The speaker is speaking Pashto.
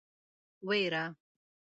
وېره.